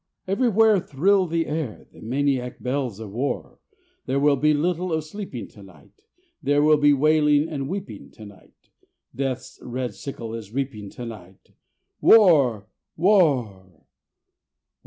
Everywhere thrill the air The maniac bells of War. There will be little of sleeping to night; There will be wailing and weeping to night; Death's red sickle is reaping to night: War! War!